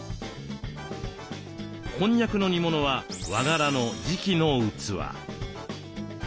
こんにゃくの煮物は和柄の磁器の器。